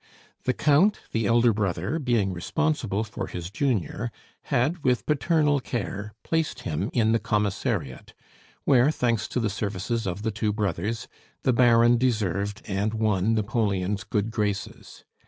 The Count, the elder brother, being responsible for his junior, had, with paternal care, placed him in the commissariat, where, thanks to the services of the two brothers, the Baron deserved and won Napoleon's good graces.